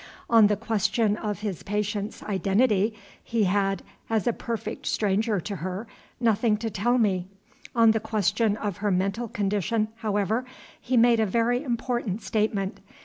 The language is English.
On the question of his patient's identity he had (as a perfect stranger to her) nothing to tell me. On the question of her mental condition, however, he made a very important statement.